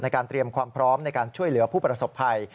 เตรียมความพร้อมในการช่วยเหลือผู้ประสบภัย